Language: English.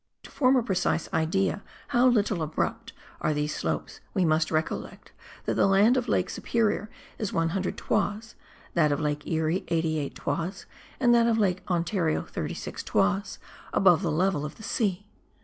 To form a precise idea how little abrupt are these slopes we must recollect that the level of Lake Superior is 100 toises; that of Lake Erie, 88 toises, and that of Lake Ontario, 36 toises above the level of the sea.